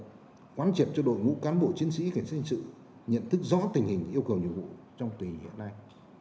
quán triệt cho đội ngũ cán bộ chiến sĩ cảnh sát hình sự nhận thức rõ tình hình yêu cầu nhiệm vụ trong tùy hiện nay